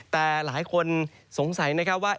แต่หลายคนสงสัยนะครับว่า